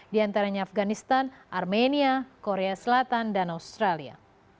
di antaranya afganistan armenia korea selatan dan australia